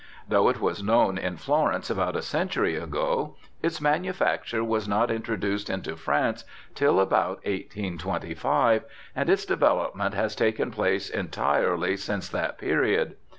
Though it was known in Florence about a century ago, its manufacture was not introduced into France till about 1825, and its development has taken place entirely since that period.